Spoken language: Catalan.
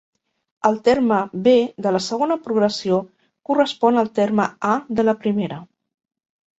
El terme be de la segona progressió correspon al terme a de la primera.